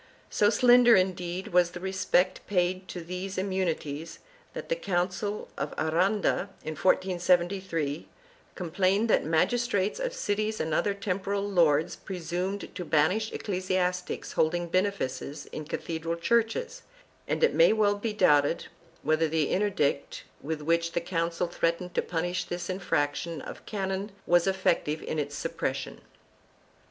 1 So slender, indeed, was the respect paid to these immunities that the Council of Aranda, in 1473, complained that magistrates of cities and other temporal lords presumed to banish ecclesiastics holding benefices in cathedral churches, and it may well be doubted whether the interdict with which the council threatened to punish this infraction of the canons was effective in its suppression.